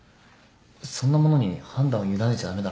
そんなものに判断を委ねちゃ駄目だ。